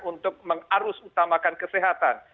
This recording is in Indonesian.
untuk mengarus utamakan kesehatan